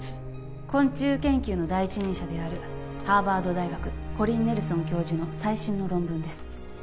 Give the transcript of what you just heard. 昆虫研究の第一人者であるハーバード大学コリン・ネルソン教授の最新の論文です